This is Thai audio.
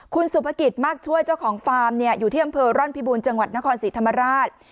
คุณสุภกิจมากช่วยเจ้าของฟาร์มอยู่ที่อำเภอร่อนพิบูรณ์จังหวัดนครศรีธรรมราช